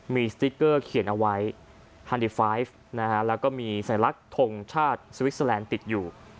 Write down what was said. มีสติ๊กเกอร์เขียนเอาไว้ฮันดิไฟฟ์แล้วก็มีสัญลักษณ์ทงชาติสวิสเตอร์แลนด์ติดอยู่